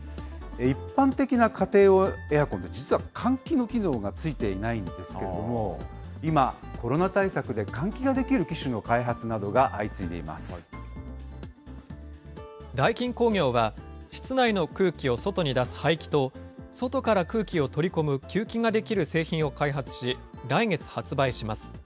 一般的な家庭用エアコンって、実は換気の機能がついていないんですけれども、今、コロナ対策で、換気ができる機種の開発などが相ダイキン工業は、室内の空気を外に出す排気と、外から空気を取り込む給気ができる製品を開発し、来月発売します。